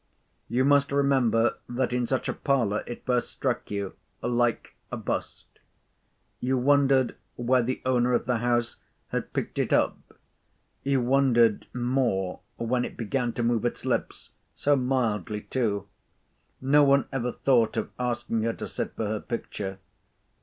You must remember that in such a parlour it first struck you—like a bust. You wondered where the owner of the house had picked it up. You wondered more when it began to move its lips—so mildly too! No one ever thought of asking her to sit for her picture.